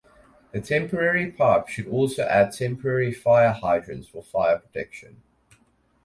The temporary pipe should also add temporary fire hydrants for fire protection.